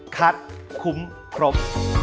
คัดคุ้มครบ